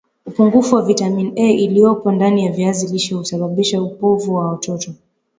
Upungufu wa vitamini A iliyopo ndani ya viazi lishe husababisha upofu kwa watoto